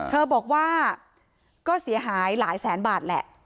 เธอบอกว่าก็เสียหายหลายแสนบาทแหละ